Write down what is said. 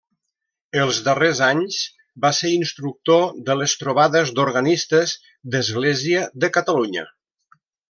Els darrers anys va ser instructor de les trobades d'organistes d'Església de Catalunya.